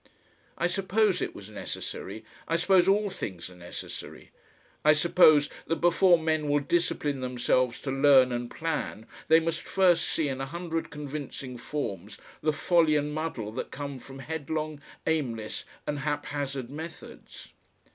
I suppose it was necessary; I suppose all things are necessary. I suppose that before men will discipline themselves to learn and plan, they must first see in a hundred convincing forms the folly and muddle that come from headlong, aimless and haphazard methods.